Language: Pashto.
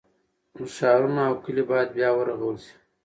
ښارونه او کلي باید بیا ورغول شي.